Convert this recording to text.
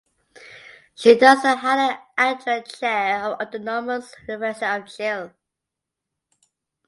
She does the Hannah Arendt chair of the Autonomous University of Chile.